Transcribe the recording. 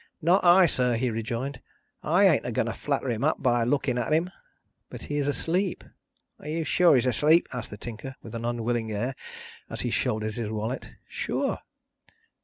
"Not I, sir," he rejoined. "I ain't a going to flatter him up by looking at him!" "But he is asleep." "Are you sure he is asleep?" asked the Tinker, with an unwilling air, as he shouldered his wallet. "Sure."